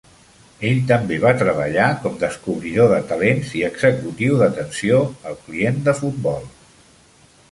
Ell també va treballar com descobridor de talents i executiu d"atenció al client de futbol.